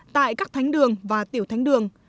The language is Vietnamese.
tại các thánh đường và tiểu thánh đường